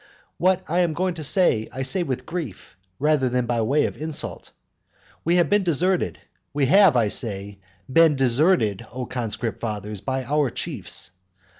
What I am going to say I say with grief, rather than by way of insult. We have been deserted we have, I say, been deserted, O conscript fathers, by our chiefs.